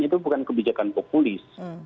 itu bukan kebijakan populis